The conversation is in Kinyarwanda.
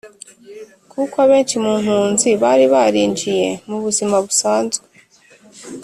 kuko abenshi mu mpunzi bari barinjiye mu buzima busanzwe,